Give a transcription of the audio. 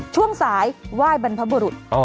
ช่วงใสว่ายบรรพบุรุษ